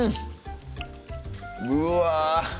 うわ！